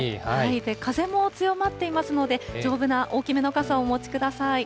風も強まっていますので、丈夫な大きめの傘をお持ちください。